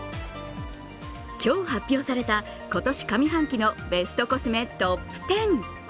今日発表された今年上半期のベストコスメトップ１０。